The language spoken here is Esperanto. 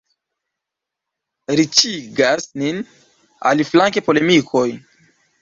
Riĉigas nin, aliflanke, polemikoj.